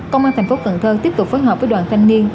công an tp cn tiếp tục phối hợp với đoàn thanh niên